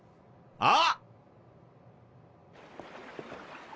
あっ。